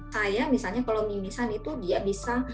kayak misalnya kalau mimisan itu dia bisa